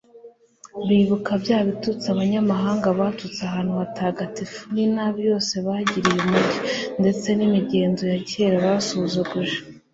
bibuka bya bitutsi abanyamahanga batutse ahantu hatagatifu n'inabi yose bagiriye umugi, ndetse n'imigenzo ya kera basuzuguje